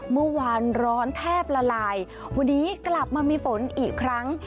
เมื่อวานร้อนแทบละลายวันนี้กลับมามีฝนอีกครั้ง